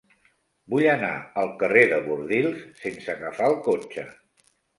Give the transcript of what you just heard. Vull anar al carrer de Bordils sense agafar el cotxe.